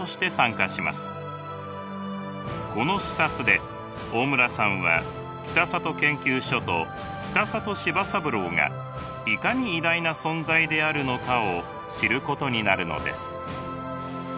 この視察で大村さんは北里研究所と北里柴三郎がいかに偉大な存在であるのかを知ることになるのです。